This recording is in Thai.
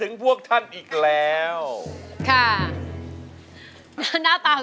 แต่จริงเราไม่อยากให้กลับแบบนั้น